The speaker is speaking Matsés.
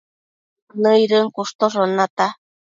nëidën cushtoshon nata